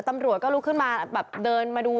ตำรวจก็ลุกขึ้นมาแบบเดินมาดู